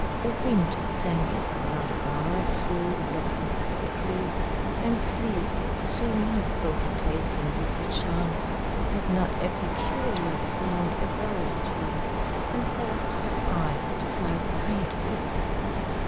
The wind sang its lullaby through the blossoms of the tree, and sleep would soon have overtaken Yuki Chan had not a peculiar sound aroused her and caused her eyes to fly wide open.